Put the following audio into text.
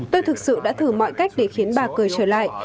tôi thực sự đã thử mọi cách để khiến bà cười trở lại